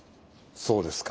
そうですね。